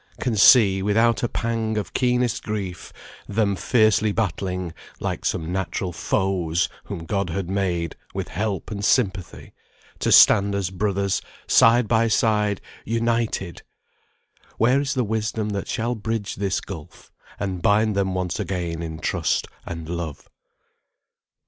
Can see, without a pang of keenest grief, Them fiercely battling (like some natural foes) Whom God had made, with help and sympathy, To stand as brothers, side by side, united! Where is the wisdom that shall bridge this gulf, And bind them once again in trust and love?"